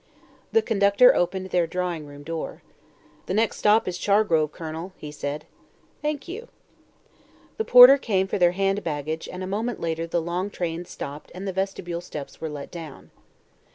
The conductor opened their drawing room door. "The next stop is Chargrove, Colonel," he said. "Thank you." The porter came for their hand baggage and a moment later the long train stopped and the vestibule steps were let down.